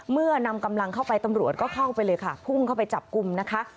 นำกำลังเข้าไปตำรวจก็เข้าไปเลยค่ะพุ่งเข้าไปจับกลุ่มนะคะ